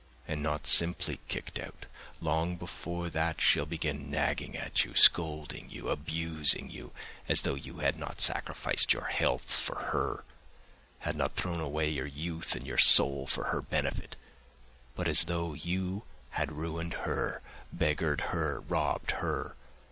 And not simply kicked out; long before that she'll begin nagging at you, scolding you, abusing you, as though you had not sacrificed your health for her, had not thrown away your youth and your soul for her benefit, but as though you had ruined her, beggared her, robbed her.